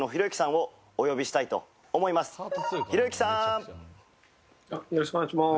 早速よろしくお願いします。